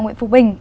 nguyễn phúc bình